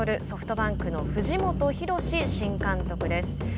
ソフトバンクの藤本博史新監督です。